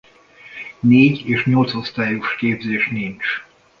Négy- és nyolcosztályos képzés nincs.